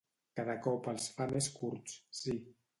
Cada cop els fa més curts, sí.